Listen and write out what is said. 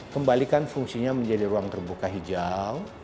kembalikan fungsinya menjadi ruang terbuka hijau